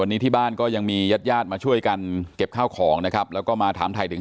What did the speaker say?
วันนี้ที่บ้านก็ยังมีญาติญาติมาช่วยกันเก็บข้าวของนะครับแล้วก็มาถามถ่ายถึง